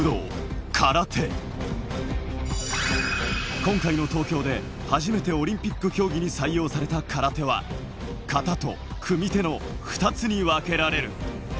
今回の東京で初めてオリンピック競技に採用された空手は、形と組手の２つにわけられる。